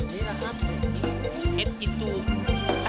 นี่แหละครับ